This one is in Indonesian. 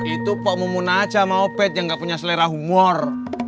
itu pak mumun aja sama obet yang nggak punya selera humor